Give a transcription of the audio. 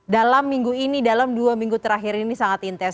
dalam minggu ini dalam dua minggu terakhir ini sangat intens